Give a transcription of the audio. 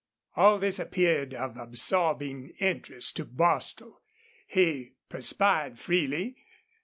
All this appeared of absorbing interest to Bostil. He perspired freely.